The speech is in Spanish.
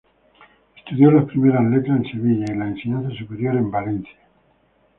Estudió las primeras letras en Sevilla y la enseñanza superior en Valencia.